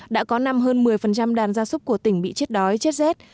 đã có năm hơn một mươi đàn gia súc của tỉnh bị chết đói chết rét